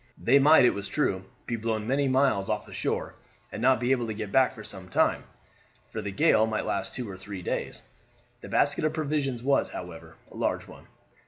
They might, it was true, be blown many miles off the shore, and not be able to get back for some time, for the gale might last two or three days. The basket of provisions was, however, a large one.